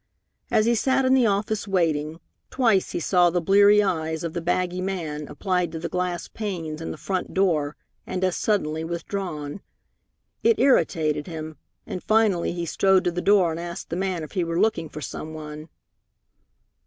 As he sat in the office waiting, twice he saw the bleary eyes of the baggy man applied to the glass panes in the front door and as suddenly withdrawn. It irritated him, and finally he strode to the door and asked the man if he were looking for some one.